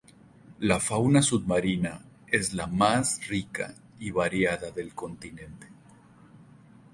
La fauna submarina es la más rica y variada del continente.